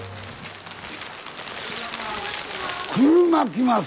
車来ます